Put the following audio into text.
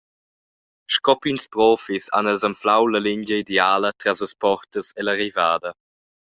Sco pigns profis han els anflau la lingia ideala tras las portas ell’arrivada.